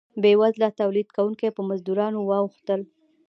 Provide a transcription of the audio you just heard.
بیوزله تولید کوونکي په مزدورانو واوښتل.